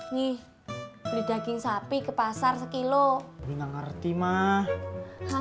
nih beli daging sapi ke pasar sekilo ngerti mah